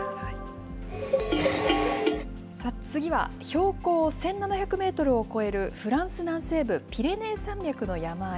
さあ、次は標高１７００メートルを超えるフランス南西部ピレネー山脈の山あい。